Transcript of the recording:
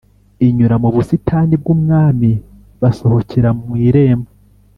Inyura mu busitani bw’umwami basohokera mu irembo